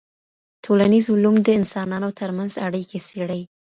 ټولنيز علوم د انسانانو ترمنځ اړيکې څېړي.